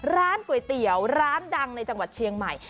ร้านก๋วยเตี๋ยวร้านดังในจังหวัดเชียงใหม่